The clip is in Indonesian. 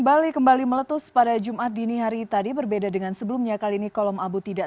bali kembali meletus pada jumat dini hari tadi berbeda dengan sebelumnya kali ini kolom abu tidak